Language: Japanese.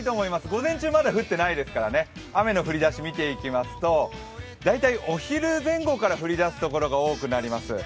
午前中まだ降っていないですからね、雨の降り出しを見ていきますと大体、お昼前後から降り出す所が多くなります。